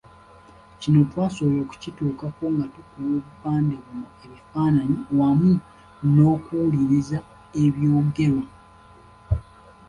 Kino twasobola okukituukako nga tukuba obupande buno ebifaananyi wamu n'okuwuliriza ebyogerwa.